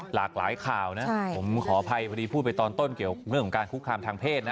หลากหลายข่าวนะผมขออภัยพูดไปตอนต้นเกี่ยวกับการคุกคามทางเพศนะ